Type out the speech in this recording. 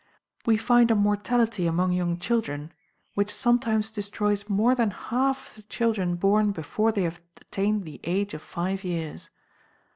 We find a mortality among young children which sometimes destroys more than half of the children born before they have attained the age of five years.